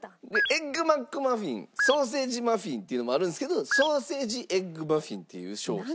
エッグマックマフィンソーセージマフィンっていうのもあるんですけどソーセージエッグマフィンっていう商品。